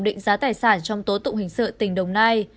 định giá tài sản trong tố tụng hình sự tỉnh đồng nai